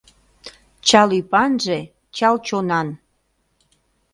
«Чал ӱпанже чал чонан».